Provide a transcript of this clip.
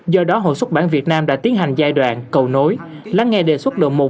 do đó hội xuất bán việt nam đã tiến hành giai đoạn cầu nối lắng nghe đề xuất đồn mục